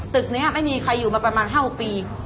ตึกนี้ไม่มีใครอยู่มาประมาณ๕๖ปี